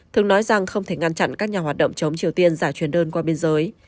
thường nói rằng không thể ngăn chặn các nhà hoạt động chống triều tiên giả truyền đơn qua biên giới